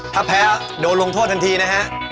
ถ้าแพ้โดนลงโทษทันทีนะฮะ